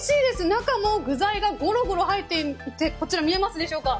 中の具材がゴロゴロ入っていてこちら、見えますでしょうか。